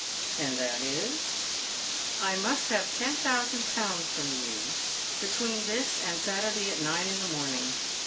" And that is "" 1 must have ten thousand pounds from you between this and Saturday at nine in the morning.